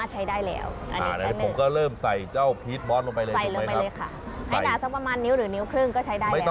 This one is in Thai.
ตอนนี้ก็เราหาได้ตามทั่วไป